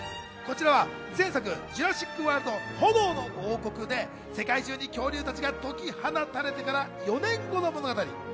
こちらは前作『ジュラシック・ワールド／炎の王国』で世界中に恐竜たちが解き放たれてから４年後の物語。